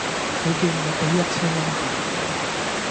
佢叫我畀一千蚊佢